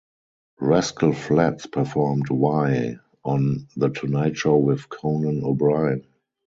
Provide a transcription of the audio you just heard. Rascal Flatts performed "Why" on "The Tonight Show with Conan O'Brien".